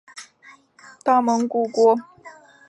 大蒙古国普颜笃汗硕德八剌。